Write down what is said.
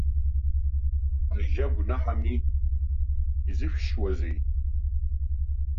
Ажьа гәнаҳами, изышәшьуазеи?